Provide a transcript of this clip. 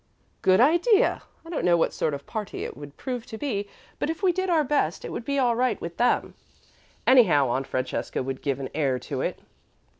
"Good idea! I don't know what sort of party it would prove to be, but, if we did our best, it would be all right with them. Anyhow, Aunt Francesca would give an air to it."